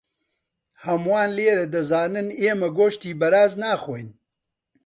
هەمووان لێرە دەزانن ئێمە گۆشتی بەراز ناخۆین.